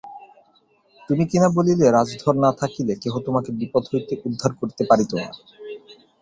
তুমি কিনা বলিলে রাজধর না থাকিলে কেহ তোমাকে বিপদ হইতে উদ্ধার করিতে পারিত না।